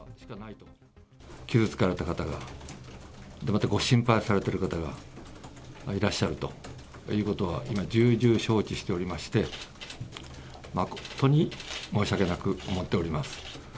傷つかれた方が、ご心配されている方がいらっしゃるということは、重々承知しておりまして、誠に申し訳なく思っております。